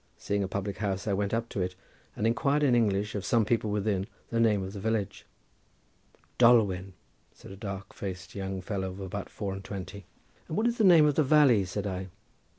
Seeing a public house I went up to it, and inquired in English of some people within the name of the village. "Dolwen," said a dark faced young fellow of about four and twenty. "And what is the name of the valley?" said I.